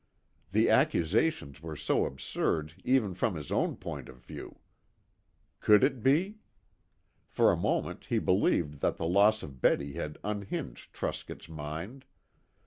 The accusations were so absurd even from his own point of view. Could it be? For a moment he believed that the loss of Betty had unhinged Truscott's mind.